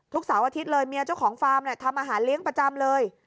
เสาร์อาทิตย์เลยเมียเจ้าของฟาร์มทำอาหารเลี้ยงประจำเลย